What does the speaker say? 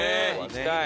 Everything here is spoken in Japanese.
行きたい。